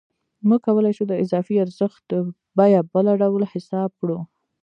موږ کولای شو د اضافي ارزښت بیه بله ډول حساب کړو